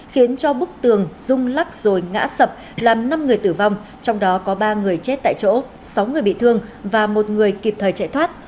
khiến cho bức tường rung lắc rồi ngã sập làm năm người tử vong trong đó có ba người chết tại chỗ sáu người bị thương và một người kịp thời chạy thoát